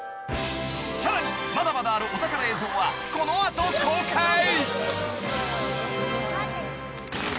［さらにまだまだあるお宝映像はこの後公開］